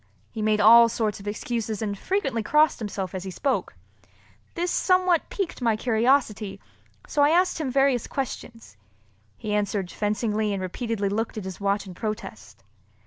He made all sorts of excuses and frequently crossed himself as he spoke. This somewhat piqued my curiosity, so I asked him various questions. He answered fencingly and repeatedly looked at his watch in protest.